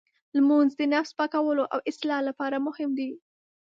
لمونځ د نفس پاکولو او اصلاح لپاره مهم دی.